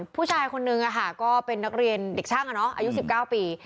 ผู้ชายคนนึงก็เป็นนักเรียนเด็กช่างอายุ๑๙ปี